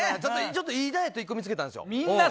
ちょっといいダイエット１個見つけたんですよ。